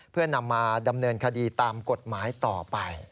เพื่อนำมาดำเนินคดีตามกฎหมายต่อไป